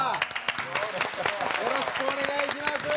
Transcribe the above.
よろしくお願いします。